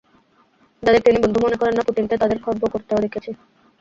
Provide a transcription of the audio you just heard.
যাঁদের তিনি বন্ধু মনে করেন না, পুতিনকে তাঁদের খর্ব করতেও দেখেছি।